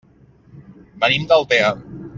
Venim d'Altea.